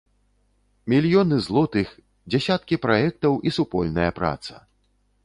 Мільёны злотых, дзясяткі праектаў і супольная праца.